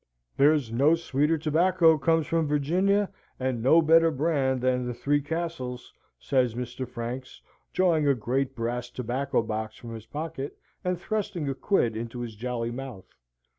"There's no sweeter tobacco comes from Virginia, and no better brand than the Three Castles," says Mr. Franks, drawing a great brass tobacco box from his pocket, and thrusting a quid into his jolly mouth.